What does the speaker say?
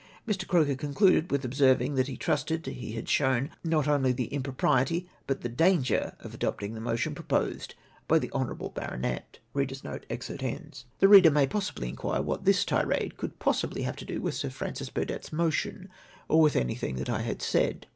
Mr. Croker concluded with observing that he trusted he had shown not only the impropriety, but the danger of adojjting the motion proposed by the honom'able baronet." The reader may possibly inquire what this tu ade could possibly have to do with Sir Francis Burdett's motion ? or with anything that I had said